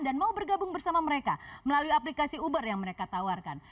dan mau bergabung bersama mereka melalui aplikasi uber yang mereka tawarkan